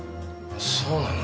そうなの。